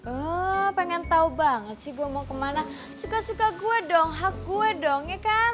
oh pengen tahu banget sih gue mau kemana suka suka gue dong hak gue dong ya kan